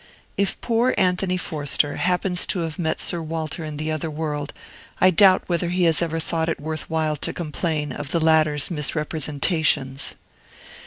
If poor Anthony Forster happens to have met Sir Walter in the other world, I doubt whether he has ever thought it worth while to complain of the latter's misrepresentations.